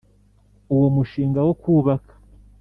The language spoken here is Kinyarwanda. uwo mushinga wo kubaka,